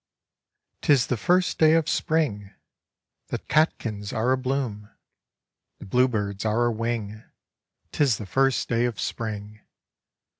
'Tie the first day of Springl Hie catkins are a bloom, The bluebirds are a wing, »Tis the first day of Spring!